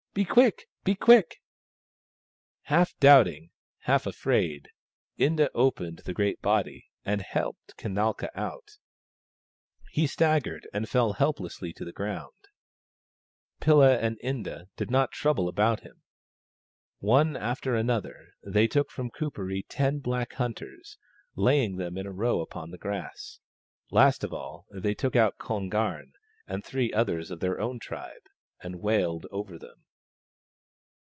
Be quick ! be quick !" Half doubting, half afraid, Inda opened the great body, and helped Kanalka out. He staggered 38 THE STONE AXE OF BURKAMUKK and fell helplessly to the ground, Pilla and Inda did not trouble about him. One after another, they took from Kuperee ten black hunters, laying them in a row upon the grass. Last of all they took out Kon garn and three others of their own tribe, and they wailed over them.